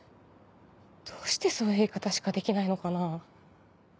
どうしてそういう言い方しかできないのかな。